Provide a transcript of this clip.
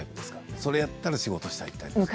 それだったら仕事したいとか。